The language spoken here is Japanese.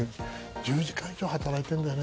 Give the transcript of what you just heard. １０時間以上働いているんだよね。